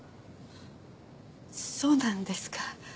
そうなんですか？